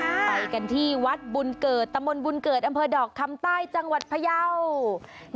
ไปกันที่วัดบุญเกิดตะมนต์บุญเกิดอำเภอดอกคำใต้จังหวัดพยาว